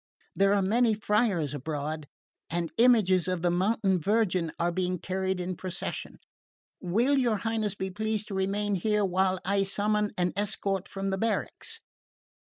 There are many friars abroad, and images of the Mountain Virgin are being carried in procession. Will your Highness be pleased to remain here while I summon an escort from the barracks?"